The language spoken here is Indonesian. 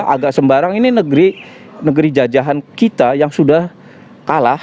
agak sembarang ini negeri jajahan kita yang sudah kalah